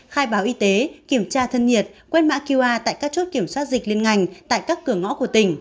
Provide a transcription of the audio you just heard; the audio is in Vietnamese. khai báo y tế kiểm tra thân nhiệt quét mã qr tại các chốt kiểm soát dịch liên ngành tại các cửa ngõ của tỉnh